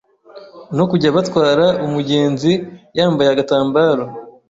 no kujya batwara umugenzi yambaye agatambaro